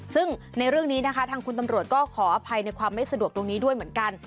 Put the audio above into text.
ซึ่งในเรื่องนี้นะคะทางคุณตำรวจก็ขออภัยในความไม่สะดวกตรงนี้ด้วยเหมือนกัน